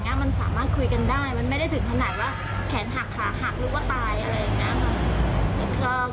มันสามารถคุยกันได้มันไม่ได้ถึงขนาดว่าแขนหักขาหักหรือว่าตายอะไรอย่างนี้ค่ะ